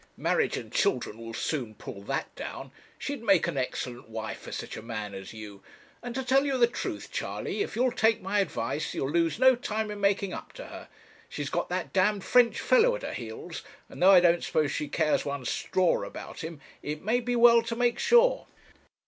'Marriage and children will soon pull that down. She'd make an excellent wife for such a man as you; and to tell you the truth, Charley, if you'll take my advice, you'll lose no time in making up to her. She has got that d French fellow at her heels, and though I don't suppose she cares one straw about him, it may be well to make sure.'